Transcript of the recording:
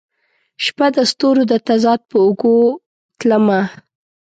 شپه د ستورو د تضاد په اوږو تلمه